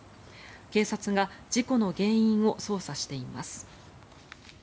警察が事故の原因を捜査しています。